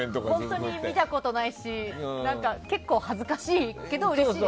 本当に見たことないし結構恥ずかしいけどうれしいです。